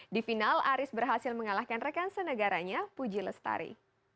di final aris berhasil mengalahkan rekan senegaranya puji lestari